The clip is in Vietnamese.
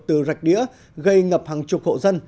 từ rạch đĩa gây ngập hàng chục hộ dân